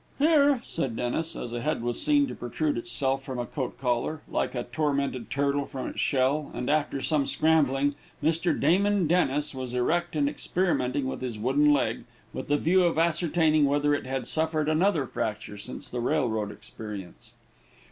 "Here," said Dennis, as a head was seen to protrude from itself a coat collar, like a tormented turtle from its shell, and, after some scrambling, Mr. Damon Dennis was erect and experimenting with his wooden leg, with the view of ascertaining whether it had suffered another fracture since the railroad experience.